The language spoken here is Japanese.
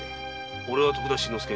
おれは徳田新之助